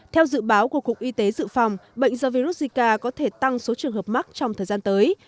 theo dự báo của cục y tế dự phòng bệnh do virus zika có thể tăng số trường hợp mắc trong thời gian tới